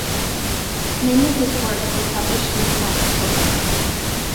Many of his works were published in the form of postcards.